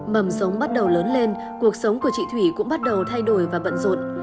mầm giống bắt đầu lớn lên cuộc sống của chị thủy cũng bắt đầu thay đổi và bận rộn